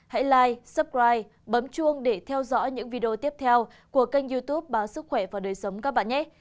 hãy live suppride bấm chuông để theo dõi những video tiếp theo của kênh youtube báo sức khỏe và đời sống các bạn nhé